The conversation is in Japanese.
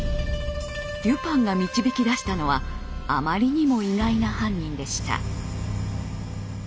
デュパンが導き出したのはあまりにも意外な犯人でした。